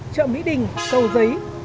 chợ mỹ đình cầu giấy